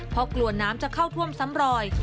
เพราะกลัวน้ำจะเข้าท่วมซ้ำรอย